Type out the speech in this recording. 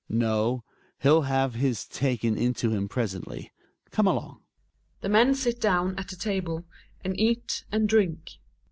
No, he'll have his taken into him presently. Come along ! The men sit down at the table, and eat and drink.